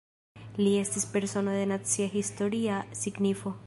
Li estis "Persono de Nacia Historia Signifo".